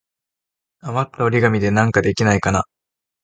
あまった折り紙でなんかできないかな。